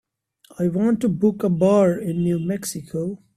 I want to book a bar in New Mexico.